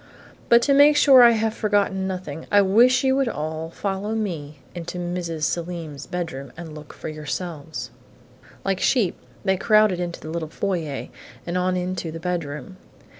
But to make sure I have forgotten nothing, I wish you would all follow me into Mrs. Selim's bedroom and look for yourselves." Like sheep, they crowded into the little foyer and on into the bedroom.